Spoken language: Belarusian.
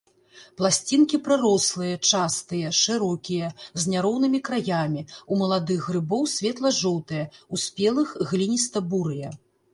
Пласцінкі прырослыя, частыя, шырокія, з няроўнымі краямі, у маладых грыбоў светла-жоўтыя, у спелых глініста-бурыя.